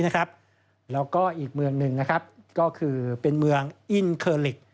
แล้วก็อีกเมืองหนึ่งก็คือเป็นเมืองอินเคอร์ลิก